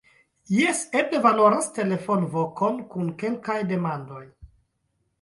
Jes, eble valoras telefonvokon kun kelkaj demandoj.